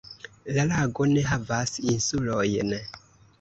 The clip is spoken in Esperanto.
La lago ne havas insulojn.